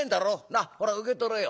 なあほら受け取れよなあ。